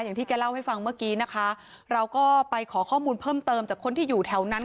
อย่างที่แกเล่าให้ฟังเมื่อกี้นะคะเราก็ไปขอข้อมูลเพิ่มเติมจากคนที่อยู่แถวนั้น